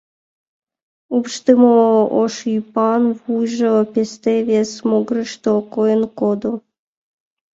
Упшдымо ош ӱпан вуйжо песте вес могырышто койын кодо.